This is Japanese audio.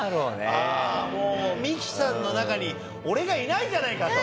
あっもうミキさんの中に俺がいないじゃないかと。